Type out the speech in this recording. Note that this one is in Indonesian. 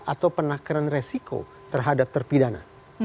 atau penakaran resiko terhadap terpidana